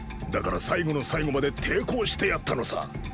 だから最後の最後まで抵抗してやったのさ。